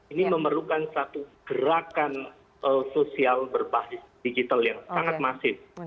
ini memerlukan satu gerakan sosial berbasis digital yang sangat masif